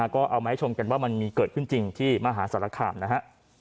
ก็เอามาให้ชมกันว่ามันมีเกิดขึ้นจริงที่มหาสารคามนะฮะ